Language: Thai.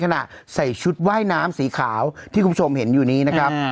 ใส่ชุดว่ายน้ำสีขาวที่คุณผู้ชมเห็นอยู่นี้นะครับ